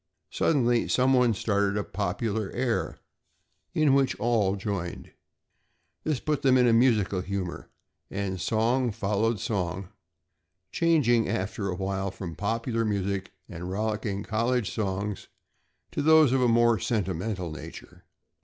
Suddenly, someone started a popular air in which all joined. This put them in a musical humor, and song followed song, changing after a while from popular music and rollicking college songs to those of a more sentimental nature.